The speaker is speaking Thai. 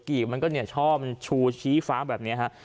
กลีบมันก็ชอบชูชี้ฟ้าแบบนี้ฮะ